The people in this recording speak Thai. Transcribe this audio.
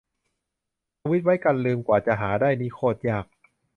ทวีตไว้กันลืม กว่าจะหาได้นี่โคตรยาก